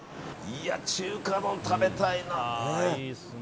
中華丼食べたいな。